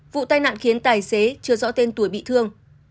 vụ tai nạn khiến tài xế chưa rõ tên tuổi bị thương